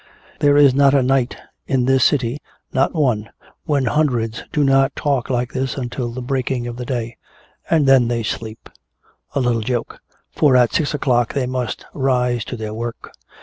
"There is not a night in this city, not one, when hundreds do not talk like this until the breaking of the day! And then they sleep! A little joke! For at six o'clock they must rise to their work!